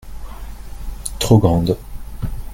trop grande.